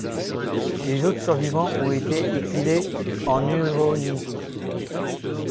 Les autres survivants ont été exilés en Huronie.